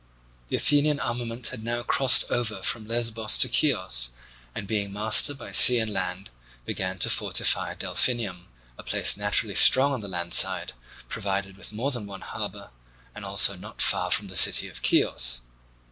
The Athenian armament had now crossed over from Lesbos to Chios, and being master by sea and land began to fortify Delphinium, a place naturally strong on the land side, provided with more than one harbour, and also not far from the city of Chios.